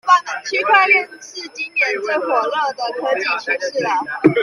區塊鏈是今年最火熱的科技趨勢了